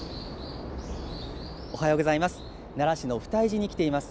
おはようございます。